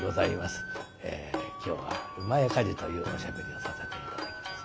今日は「厩火事」というおしゃべりをさせて頂きます。